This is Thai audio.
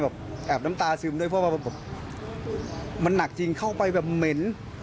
แบบแอบน้ำตาซึมด้วยเพราะว่ามันหนักจริงเข้าไปแบบเหม็น